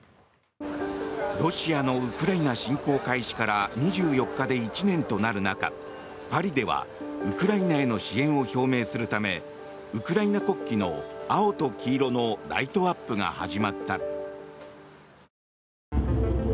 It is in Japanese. ロシアのウクライナ侵攻開始から２４日で１年となる中パリではウクライナへの支援を表明するためウクライナ国旗の青と黄色のライトアップが始まった。